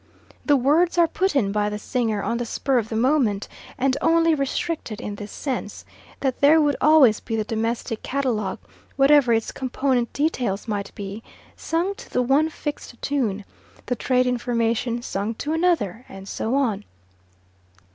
The words are put in by the singer on the spur of the moment, and only restricted in this sense, that there would always be the domestic catalogue whatever its component details might be sung to the one fixed tune, the trade information sung to another, and so on.